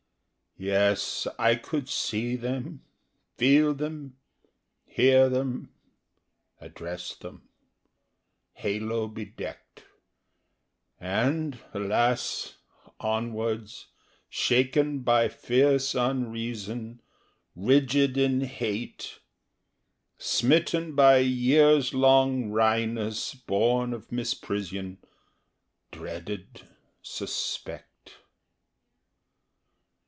Yes, I could see them, feel them, hear them, address them— Halo bedecked— And, alas, onwards, shaken by fierce unreason, Rigid in hate, Smitten by years long wryness born of misprision, Dreaded, suspect.